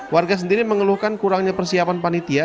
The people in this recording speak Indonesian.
warga sendiri mengeluhkan kurangnya persiapan panitia